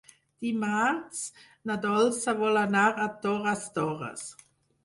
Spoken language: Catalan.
Dimarts na Dolça vol anar a Torres Torres.